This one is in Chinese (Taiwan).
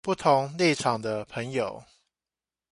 不同立場的朋友